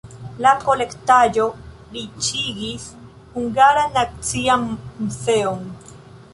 La kolektaĵo riĉigis Hungaran Nacian Muzeon.